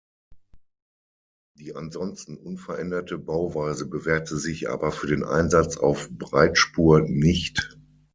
Die ansonsten unveränderte Bauweise bewährte sich aber für den Einsatz auf Breitspur nicht.